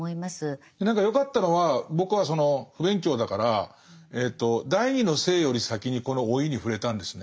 何か良かったのは僕はその不勉強だから「第二の性」より先にこの「老い」に触れたんですね。